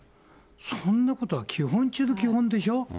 そんなことは基本中の基本でしょう。